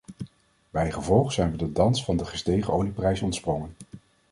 Bijgevolg zijn we de dans van de gestegen olieprijs ontsprongen.